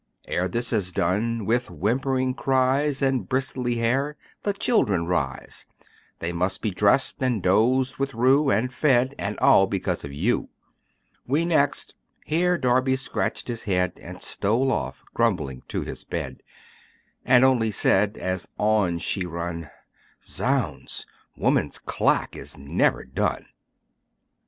Ere this is done, with whimpering cries, And bristly hair, the children rise; These must be dressed, and dosed with rue, And fed and all because of you: We next" Here Darby scratched his head, And stole off grumbling to his bed; And only said, as on she run, "Zounds! woman's clack is never done."